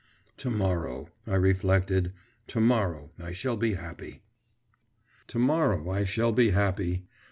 … 'To morrow,' I reflected, 'to morrow I shall be happy.…' To morrow I shall be happy!